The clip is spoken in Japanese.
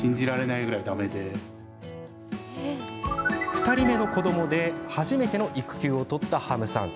２人目の子どもで初めての育休を取ったハムさん。